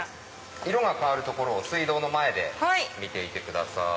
色が変わるところを水道の前で見ていてください。